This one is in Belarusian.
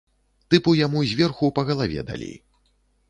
Тыпу яму зверху па галаве далі.